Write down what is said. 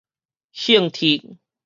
興喋